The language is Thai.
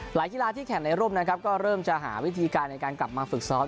หลายกีฬาที่แขนในร่มก็เริ่มจะหาวิธีการในการกลับมาฝึกซ้อม